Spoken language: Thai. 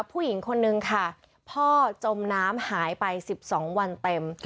ผู้หญิงคนนึงค่ะพ่อจมน้ำหายไป๑๒วันเต็ม